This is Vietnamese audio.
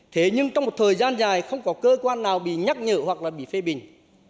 thế nhưng trong một thời gian dài không có cơ quan nào bị nhắc nhở hoặc là bị phê bình